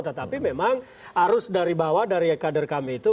tetapi memang arus dari bawah dari kader kami itu